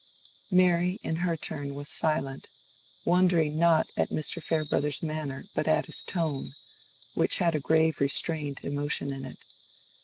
Mary in her turn was silent, wondering not at Mr. Farebrother's manner but at his tone, which had a grave restrained emotion in it.